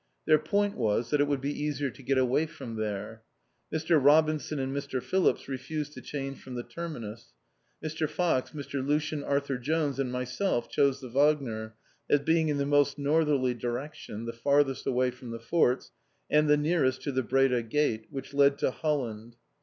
Their point was that it would be easier to get away from there. Mr. Robinson and Mr. Phillips refused to change from the Terminus. Mr. Fox, Mr. Lucien Arthur Jones, and myself chose the Wagner, as being in the most northerly direction, the farthest away from the forts, and the nearest to the Breda Gate, which led to Holland.